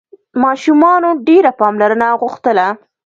ماشومانو ډېره پاملرنه غوښتله.